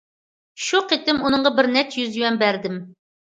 شۇ قېتىم ئۇنىڭغا بىر نەچچە يۈز يۈەن بەردىم.